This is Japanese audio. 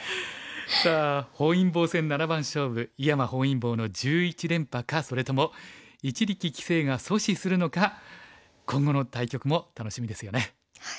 さあ本因坊戦七番勝負井山本因坊の１１連覇かそれとも一力棋聖が阻止するのか今後の対局も楽しみですよね。